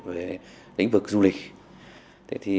về lĩnh vực du lịch